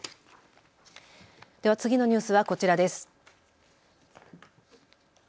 では次のニュースはこちらです。